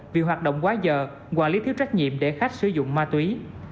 vì hoạt động quá giờ quản lý thiếu trách nhiệm để khách sử dụng ma túy